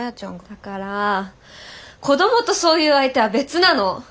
だから子どもとそういう相手は別なの！